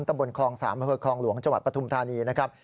ตำบลคลอง๓อำเภอคลองหลวงจังหวัดปฐุมธานีนะครับ